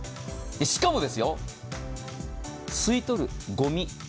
しかも吸い取るごみ。